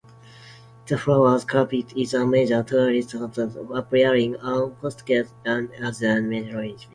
The Flower Carpet is a major tourist attraction, appearing on postcards and other memorabilia.